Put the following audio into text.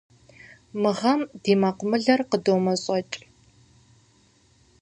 Мы гъэм ди мэкъумылэр къыдомэщӏэкӏ.